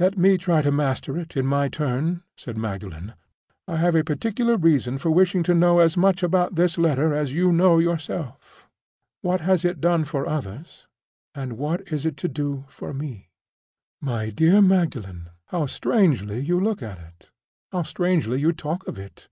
"Let me try to master it, in my turn," said Magdalen. "I have a particular reason for wishing to know as much about this letter as you know yourself. What has it done for others, and what is it to do for me?" "My dear Magdalen, how strangely you look at it! how strangely you talk of it!